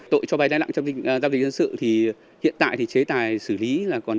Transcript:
tội cho vay nai nặng trong gia đình dân sự thì hiện tại chế tài xử lý